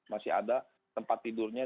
masih ada tempat tidurnya